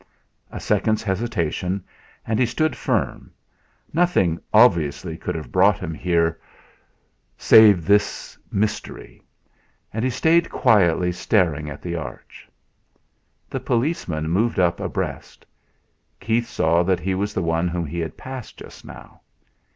A second's hesitation, and he stood firm. Nothing obviously could have brought him here save this "mystery," and he stayed quietly staring at the arch. The policeman moved up abreast. Keith saw that he was the one whom he had passed just now.